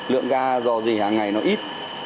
lượng ga dò dỉ hàng ngày nó ít